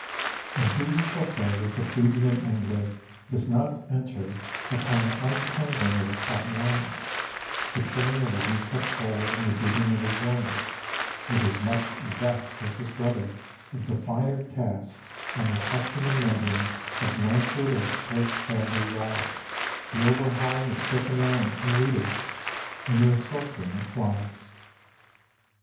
And who shall say that the plebeian angler does not enter upon the untangling of his cotton lines, the trimming of his new cut pole, and the digging of his worms, with as much zest as his brother of the finer cast on the testing and mending of lancewood or split bamboo rod, the overhauling of silken lines and leaders, and the assorting of flies.